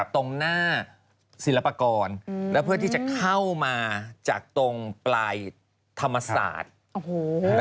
ตรงหน้าศิลปากรแล้วเพื่อที่จะเข้ามาจากตรงปลายธรรมศาสตร์โอ้โห